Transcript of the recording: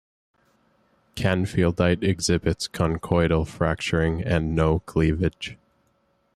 Canfieldite exhibits conchoidal fracturing and no cleavage.